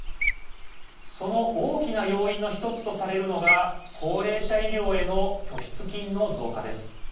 その大きな要因の１つとされるのが高齢者医療への拠出金の増加です。